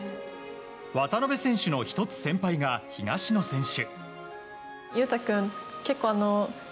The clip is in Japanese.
渡辺選手の１つ先輩が東野選手。